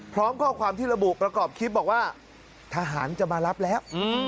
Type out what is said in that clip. พร้อมข้อความที่ระบุประกอบคลิปบอกว่าทหารจะมารับแล้ว